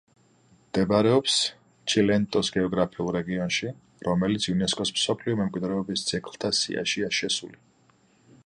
მდებარეობს ჩილენტოს გეოგრაფიულ რეგიონში, რომელიც იუნესკოს მსოფლიო მემკვიდრეობის ძეგლთა სიაშია შესული.